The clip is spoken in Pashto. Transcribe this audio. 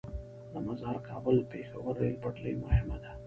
د مزار - کابل - پیښور ریل پټلۍ مهمه ده